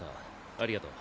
ありがとう。